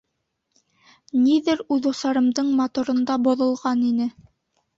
Ниҙер үҙосарымдың моторында боҙолған ине.